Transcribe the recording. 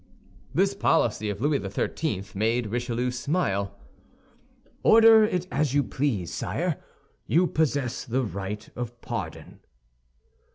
This policy of Louis XIII. made Richelieu smile. "Order it as you please, sire; you possess the right of pardon."